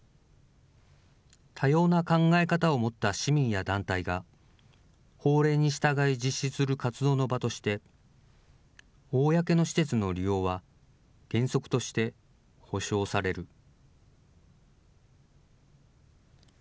多様な考え方を持った市民や団体が、法令に従い実施する活動の場として、公の施設の利用は原則として保障される。